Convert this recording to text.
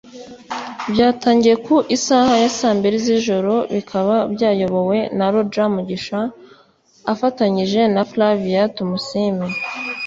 Byatangiye ku isaha ya saa mbili z’ijoro bikaba byayobowe na Roger Mugisha afatanyije na Flavia Tumusiime